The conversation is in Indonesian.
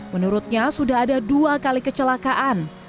menurutnya sudah ada dua kali kecelakaan